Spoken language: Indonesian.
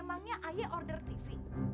emangnya ayah order tv